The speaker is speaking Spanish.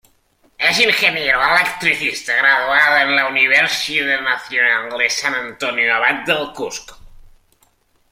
Es Ingeniero electricista graduado en la Universidad Nacional de San Antonio Abad del Cusco.